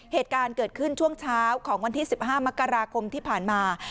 เหตุการณ์เกิดขึ้นช่วงเช้าของวันที่๑๕มกราคมที่ผ่านมา